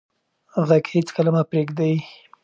غږ هېڅکله مه پرېږدئ.